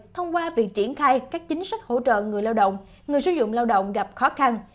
thông qua việc triển khai các chính sách hỗ trợ người lao động người sử dụng lao động gặp khó khăn